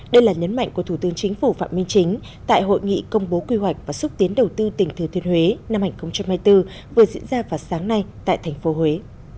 đây là nhấn mạnh của thủ tướng chính phủ phạm minh chính tại hội nghị công bố quy hoạch và xúc tiến đầu tư tỉnh thừa thiên huế năm hai nghìn hai mươi bốn vừa diễn ra vào sáng nay tại thành phố huế